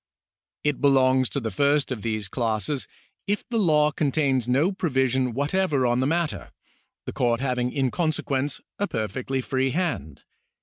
It belongs to the first of these classes, if the law con tains no provision whatever on the matter, the court having in consequence a perfectly free hand.